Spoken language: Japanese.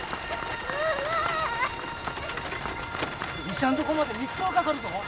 医者んとこまで３日はかかるぞ。